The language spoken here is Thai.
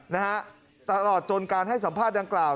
นะฮะตลอดจนการให้สัมภาษณ์ดังกล่าว